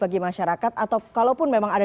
bagi masyarakat atau kalaupun memang ada